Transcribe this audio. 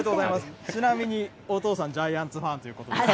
ちなみにお父さん、ジャイアンツファンということです。